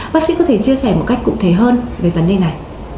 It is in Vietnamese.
bác sĩ có thể chia sẻ một cách cụ thể hơn về vấn đề này